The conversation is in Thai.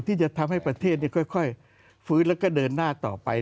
ที่จะทำให้ประเทศค่อยฟื้นแล้วก็เดินหน้าต่อไป